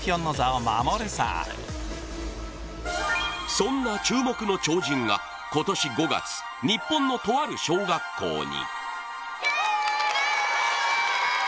そんな注目の超人が今年５月、日本のとある小学校に。